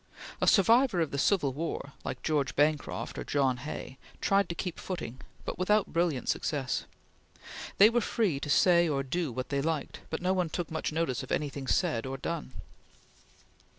A survivor of the Civil War like George Bancroft, or John Hay tried to keep footing, but without brilliant success. They were free to say or do what they liked; but no one took much notice of anything said or done.